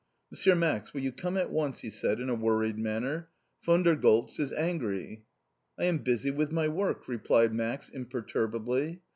"Monsieur Max, will you come at once!" he said in a worried manner. "Von der Goltz is angry!" "I am busy with my work!" replied Max imperturbably.